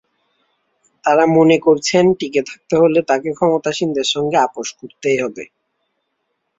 তাঁরা মনে করছেন, টিকে থাকতে হলে তাঁকে ক্ষমতাসীনদের সঙ্গে আপস করতেই হবে।